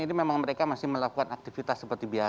ini memang mereka masih melakukan aktivitas seperti biasa